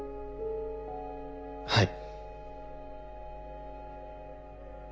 はい。